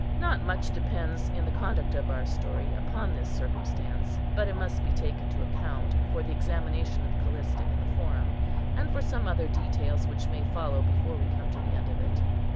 Not much depends in the conduct of our story upon this circumstance; but it must be taken to account for the examination of Callista in the Forum, and for some other details which may follow before we come to the end of it.